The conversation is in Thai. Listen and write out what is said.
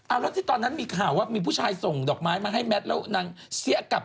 แล้วที่ตอนนั้นมีข่าวว่ามีผู้ชายส่งดอกไม้มาให้แมทแล้วนางเสี้ยกลับ